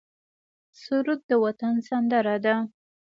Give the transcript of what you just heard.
سرود د وطن سندره ده